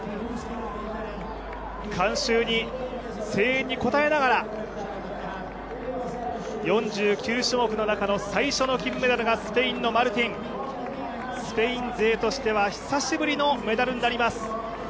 観衆に、声援に応えながら４９種目の最初の金メダルがスペインのマルティン、スペイン勢としては久しぶりのメダルになります。